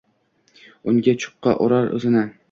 Utga-chuqqa urar uzini